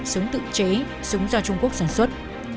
súng tự chế súng do trung quốc sản xuất